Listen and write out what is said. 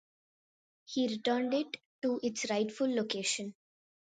He returned it to its rightful location.